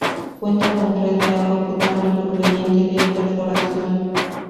Cuenta con red de agua potable proveniente de perforación.